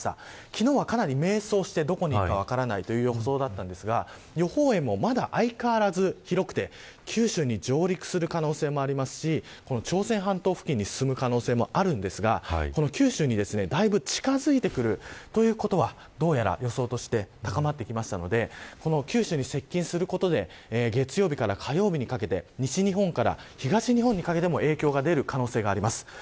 昨日は、かなり迷走してどこに行くか分からない予想だったんですが予報円も相変わらず広くて九州に上陸する可能性もありますし朝鮮半島付近に進む可能性もあるんですが九州にだいぶ近づいてくるということは、どうやら予想として高まってきましたので九州に接近することで月曜日から火曜日にかけて西日本から東日本にかけても影響が出る可能性があります。